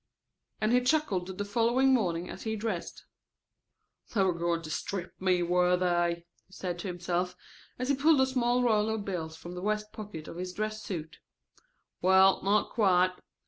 And he chuckled the following morning as he dressed. "They were going to strip me, were they," he said to himself, as he pulled a small roll of bills from the vest pocket of his dress suit. "Well, not quite.